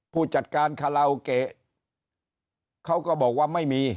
ผู้จัดการคาราโอเกะเขาก็บอกว่าไม่มี